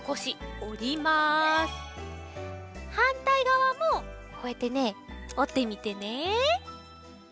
はんたいがわもこうやってねおってみてね。